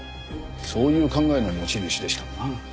そういう考えの持ち主でしたな。